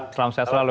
selamat siang selalu